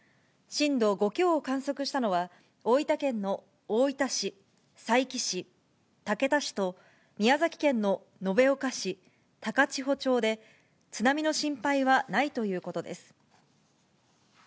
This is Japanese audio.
震度５強を観測したのは、大分県の大分市、佐伯市、竹田市と、宮崎県の延岡市、高千穂町で、津波の心配はないということです。